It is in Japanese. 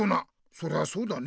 そりゃそうだね。